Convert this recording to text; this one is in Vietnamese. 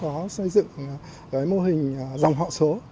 có xây dựng mô hình dòng họ số